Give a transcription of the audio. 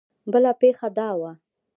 بله پېښه دا وه.